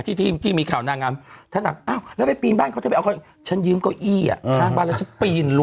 ที่ที่ที่มีข่าวนางงามท่านอ่ะอ้าวแล้วไปปีนบ้านเขาจะไปเอาฉันยืมเก้าอี้อ่ะ